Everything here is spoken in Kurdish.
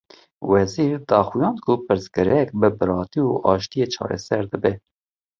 Wezîr, daxuyand ku pirsgirêk bi biratî û aştiyê çareser dibe